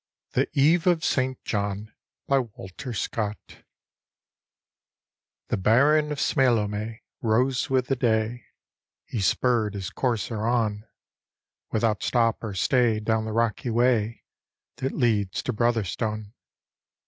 THE EVE OF ST. JOHN : Walter scott TTie Baron of Smaylho'me rose with the day, He spurr'd his courser on, Without stop or stay down the rocky way. That leads to Brotherstone.